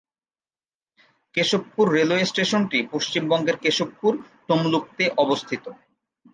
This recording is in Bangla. কেশবপুর রেলওয়ে স্টেশনটি পশ্চিমবঙ্গের কেশবপুর, তমলুক তে অবস্থিত।